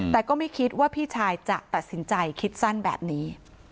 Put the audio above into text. แต่ก็ไม่คิดว่าพี่ชายจะตัดสินใจคิดสั้นแบบนี้